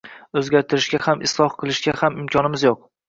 o‘zgartirishga ham isloh qilishga ham imkonimiz yo‘q;